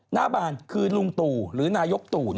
หน้าบานคือลุงตู่หรือนายกตู่